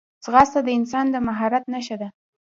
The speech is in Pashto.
ځغاسته د انسان د مهارت نښه ده